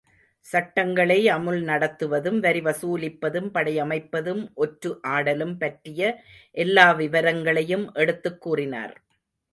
சட்டங்களை அமுல் நடத்துவதும், வரி வசூலிப்பதும், படையமைப்பதும், ஒற்று ஆடலும் பற்றிய எல்லா விவரங்களையும் எடுத்தெடுத்துக் கூறினார்.